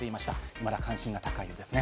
いまだ関心が高いようです。